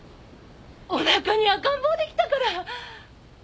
おなかに赤ん坊できたから。